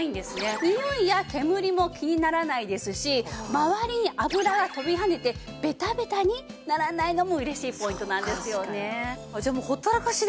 ニオイや煙も気にならないですし周りに油が飛び跳ねてベタベタにならないのも嬉しいポイントなんですよね。